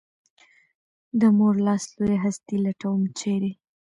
د مور لاس لویه هستي لټوم ، چېرې؟